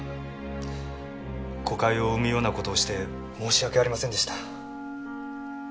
誤解を生むような事をして申し訳ありませんでした。